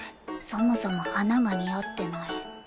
そもそも花が似合ってない。